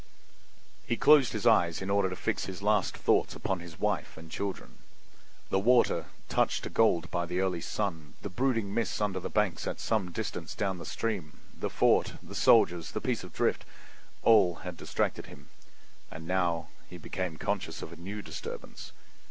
He closed his eyes in order to fix his last thoughts upon his wife and children. The water, touched to gold by the early sun, the brooding mists under the banks at some distance down the stream, the fort, the soldiers, the piece of drift—all had distracted him. And now he became conscious of a new disturbance.